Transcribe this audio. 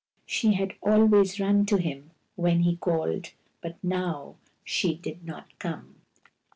She had always run to him when he called. But now she did not come.